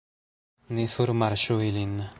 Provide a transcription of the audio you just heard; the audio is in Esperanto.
Ni surmarŝu ilin.